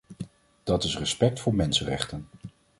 Dat is respect voor mensenrechten.